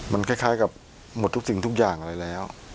มันคล้ายกับหมดทุกสิ่งทุกอย่างอะไรแล้ว